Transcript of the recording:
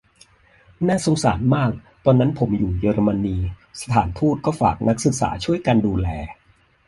น่าสงสารมาก : ตอนนั้นผมอยู่เยอรมนี สถานทูตก็ฝากนักศึกษาช่วยกันดูแล